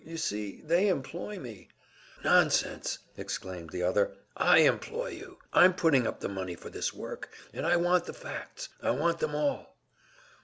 You see, they employ me " "Nonsense!" exclaimed the other. "I employ you! I'm putting up the money for this work, and I want the facts! I want them all."